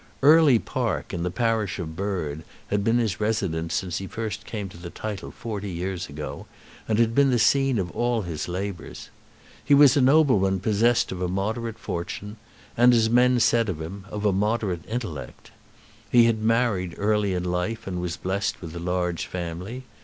Early Park, in the parish of Bird, had been his residence since he first came to the title forty years ago, and had been the scene of all his labours. He was a nobleman possessed of a moderate fortune, and, as men said of him, of a moderate intellect. He had married early in life and was blessed with a large family.